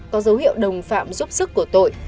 có dấu hiệu đồng phạm giúp sức của tội